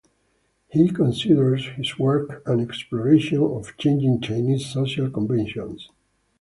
He considers his work an exploration of changing Chinese social conventions.